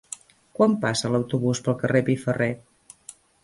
Quan passa l'autobús pel carrer Piferrer?